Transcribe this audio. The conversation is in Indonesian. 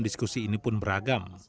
diskusi ini pun beragam